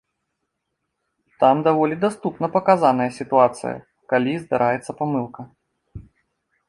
Там даволі даступна паказаная сітуацыя, калі здараецца памылка.